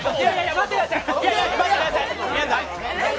待ってください！